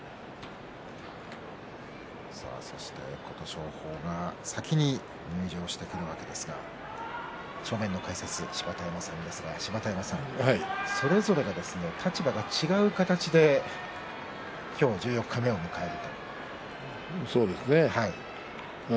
そして琴勝峰が先に入場してくるわけですが正面の解説、芝田山さんそれぞれの立場が違う形で今日、十四日目を迎える。